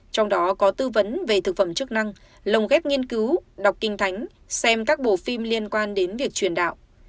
trong đó có tư vấn về thực phẩm chức năng lồng ghép nghiên cứu đọc kinh thánh xem các bộ phim liên quan đến việc truyền đạo